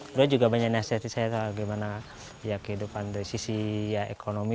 beliau juga banyak nasyati saya soal kehidupan dari sisi ekonomi